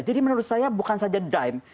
jadi menurut saya bukan saja dime